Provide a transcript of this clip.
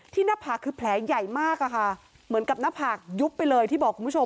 หน้าผากคือแผลใหญ่มากอะค่ะเหมือนกับหน้าผากยุบไปเลยที่บอกคุณผู้ชม